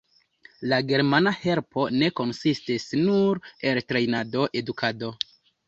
La germana helpo ne konsistis nur el trejnado, edukado.